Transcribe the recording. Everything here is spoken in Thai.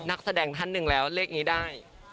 นักแสดงท่านหนึ่งแล้วเลขนี้ได้